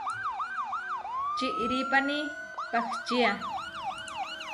Čiʼrípani pahčía.